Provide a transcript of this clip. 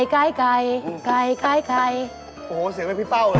โอ้โฮเสียงไปพี่เป้าเลย